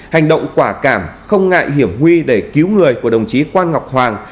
hành động quả cảm không ngại hiểm nguy để cứu người của đồng chí quan ngọc hoàng